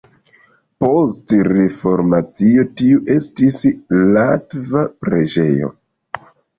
Post Reformacio tiu estis latva preĝejo.